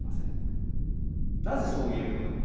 なぜそう言えるのか。